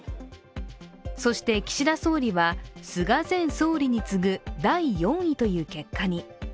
そして、岸田総理は菅前総理に次ぐ第４位という結果に。